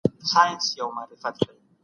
ده وویل چي په لږو قناعت وکړه.